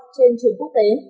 trên trường quốc tế